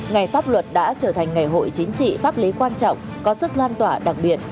ngày pháp luật đã trở thành ngày hội chính trị pháp lý quan trọng có sức lan tỏa đặc biệt